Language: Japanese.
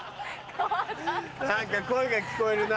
何か声が聞こえるな。